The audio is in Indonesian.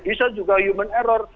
bisa juga human error